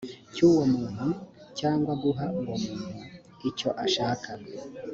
cy uwo muntu cyangwa guha uwo muntu icyo ashaka